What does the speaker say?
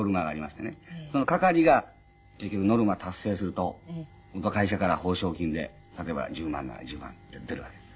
その係が結局ノルマ達成すると会社から報奨金で例えば１０万なら１０万って出るわけです。